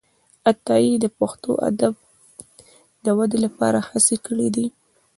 عطايي د پښتو ادب د ودې لپاره هڅي کړي دي.